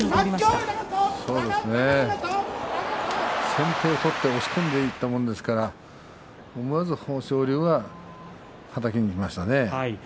先手を取って押し込んでいったものですから思わず豊昇龍ははたきにいきましたね。